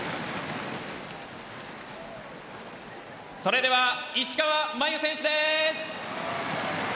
それでは石川真佑選手です。